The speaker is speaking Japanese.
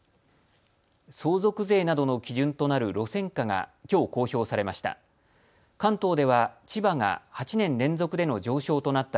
相続税などの基準となる路線価がきょう公表されました。